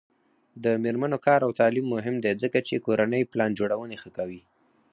د میرمنو کار او تعلیم مهم دی ځکه چې کورنۍ پلان جوړونې ښه کوي.